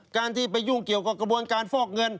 การที่ไปยุ่งเกี่ยวกับกระบวนการฟอกเงิน